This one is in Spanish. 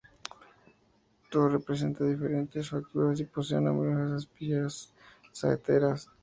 La torre presenta diferentes facturas y posee numerosas aspilleras y saeteras.